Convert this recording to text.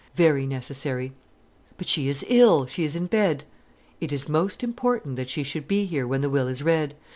"Very necessary." "But she is ill; she is in bed." "It is most important that she should be here when the will is read.